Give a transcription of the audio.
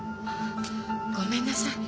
ごめんなさい